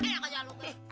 eh yang kaya lu pak